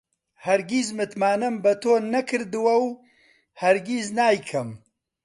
هەرگیز متمانەم بە تۆ نەکردووە و هەرگیز نایکەم.